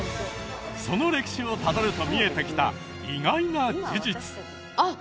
その歴史をたどると見えてきた意外な事実あっ